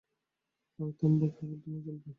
আমি থামব, কেবল তুমিই চলবে।